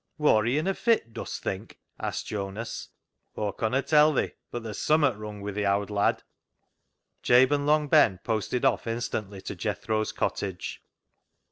" Wor he in a fit, dust think ?" asked Jonas. " Aw conna tell thi, but theer's summat wrung wi' th' owd lad." Jabe and Long Ben posted off instantly to Jethro's cottage.